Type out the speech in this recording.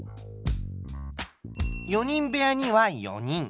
４人部屋には４人。